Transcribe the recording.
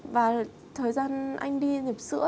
và thời gian anh đi dịp sữa